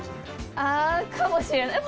ああ、かもしれない。